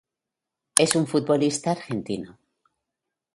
Es un futbolista argentino.